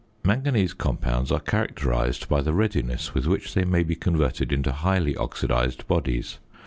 Manganese compounds are characterised by the readiness with which they may be converted into highly oxidised bodies.